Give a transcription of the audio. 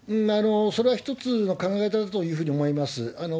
それは一つの考え方というふうに思います。